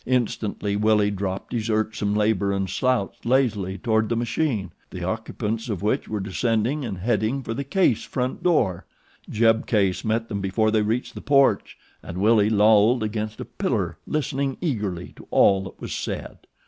Instantly Willie dropped his irksome labor and slouched lazily toward the machine, the occupants of which were descending and heading for the Case front door. Jeb Case met them before they reached the porch and Willie lolled against a pillar listening eagerly to all that was said.